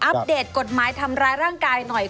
เดตกฎหมายทำร้ายร่างกายหน่อย